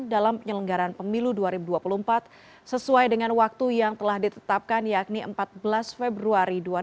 dalam penyelenggaran pemilu dua ribu dua puluh empat sesuai dengan waktu yang telah ditetapkan yakni empat belas februari dua ribu dua puluh